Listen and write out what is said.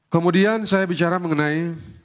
kemudian saya bicara mengenai